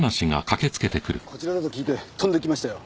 こちらだと聞いて飛んで来ましたよ。